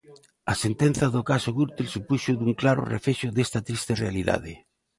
A sentenza do caso Gürtel supuxo un claro reflexo desta triste realidade.